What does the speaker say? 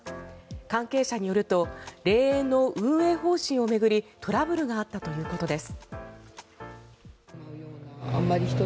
関係者によると霊園の運営方針を巡りトラブルがあったということです。